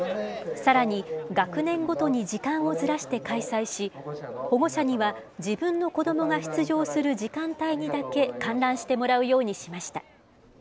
さらに、学年ごとに時間をずらして開催し、保護者には自分の子どもが出場する時間帯にだけ観覧してもらうようにしました。